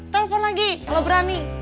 telepon lagi kalo berani